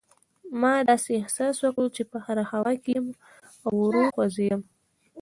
ما داسې احساس وکړل چې په هوا کې یم او ورو خوځېدم.